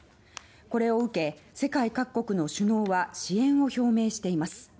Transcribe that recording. これを受け世界各国の首脳は支援を表明しています。